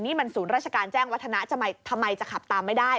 นี่มันศูนย์ราชการแจ้งวัฒนะทำไมจะขับตามไม่ได้